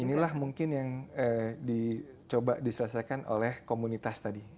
inilah mungkin yang dicoba diselesaikan oleh komunitas tadi